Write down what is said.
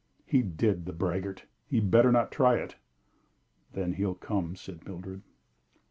"He did, the braggart! He had better not try it." "Then he'll come," said Mildred.